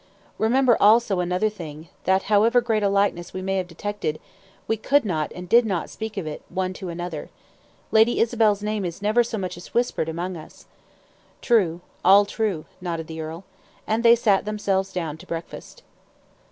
Remember also another thing, that, however great a likeness we may have detected, we could not and did not speak of it, one to another. Lady Isabel's name is never so much as whispered among us." "True: all true," nodded the earl. And they sat themselves down to breakfast.